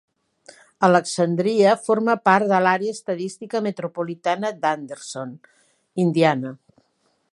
Alexandria forma part de l'Àrea Estadística Metropolitana d'Anderson, Indiana.